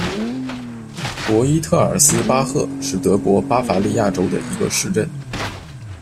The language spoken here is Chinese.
博伊特尔斯巴赫是德国巴伐利亚州的一个市镇。